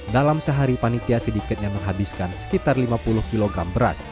dalam sehari panitia sedikitnya menghabiskan sekitar lima puluh kg beras